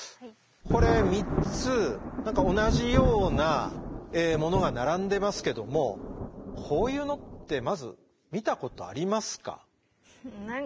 これ３つ何か同じようなものが並んでますけどもこういうのってまず見たことありますか？